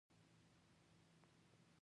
افریقایي متل وایي دوستي د شخصیت نښه ده.